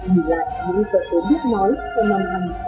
vì vậy những tội ứng biết nói trong năm hai nghìn hai mươi một